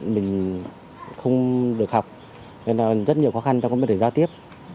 mình không được học nên là rất nhiều khó khăn trong việc để giao tiếp